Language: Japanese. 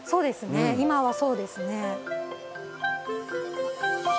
今はそうですね。